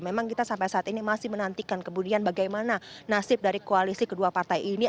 memang kita sampai saat ini masih menantikan kemudian bagaimana nasib dari koalisi kedua partai ini